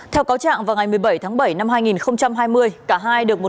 theo cáo trạng vào ngày một mươi bảy tháng bảy năm hai nghìn hai mươi